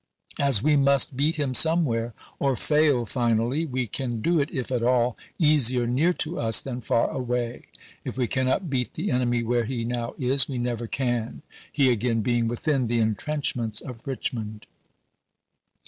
As we must beat him somewhere or fail finally, we can do it, if at all, easier near to us than far away. If we cannot beat the enemy where he now is, we never can, he again being within the intrenchments of Richmond.